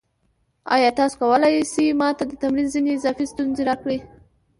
ایا تاسو کولی شئ ما ته د تمرین ځینې اضافي ستونزې راکړئ؟